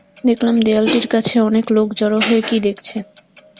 দেখলাম, দেয়ালটির কাছে অনেক লোক জড়ো হয়ে কী দেখছে।